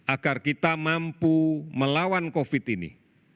agar kita mampu melawan covid sembilan belas ini